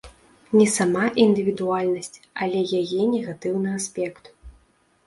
Не сама індывідуальнасць, але яе негатыўны аспект.